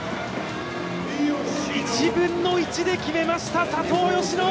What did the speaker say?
１分の１で決めました、佐藤淑乃。